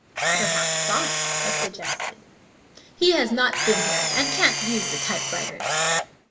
" Perhaps Foss," I suggested. " He has not been here, and can't use the typewriter."